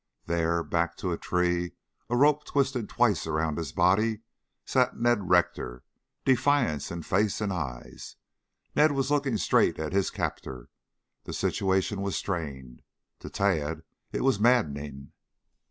There, back to a tree, a rope twisted twice about his body sat Ned Rector, defiance in face and eyes. Ned was looking straight at his captor. The situation was strained. To Tad, it was maddening.